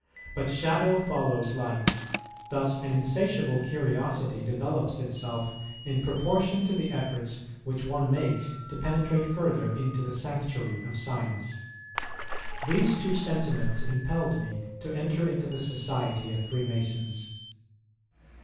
But shadow follows light, thus an insatiable curiosity develops itself in proportion to the efforts which one makes to penetrate further into the sanctuary of science. These two sentiments impelled me to enter into the society of Freemasons.